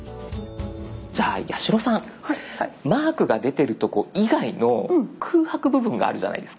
じゃあ八代さんマークが出てるとこ以外の空白部分があるじゃないですか。